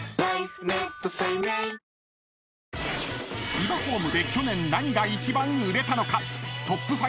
［ビバホームで去年何が一番売れたのか？］